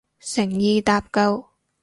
誠意搭救